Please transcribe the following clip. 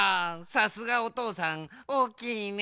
さすがおとうさんおおきいね。